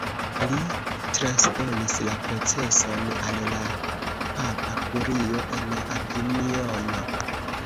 Li transdonis la proceson al la papa kurio en Avinjono.